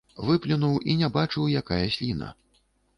Выплюнуў і не бачыў, якая сліна.